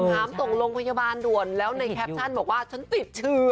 หามส่งโรงพยาบาลด่วนแล้วในแคปชั่นบอกว่าฉันติดเชื้อ